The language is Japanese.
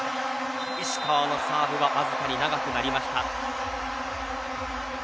石川のサーブは少し長くなりました。